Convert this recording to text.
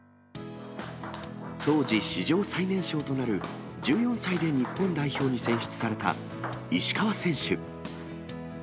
当時、史上最年少となる１４歳で日本代表に選出された石川選手。